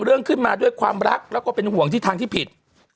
ขึ้นมาด้วยความรักแล้วก็เป็นห่วงที่ทางที่ผิด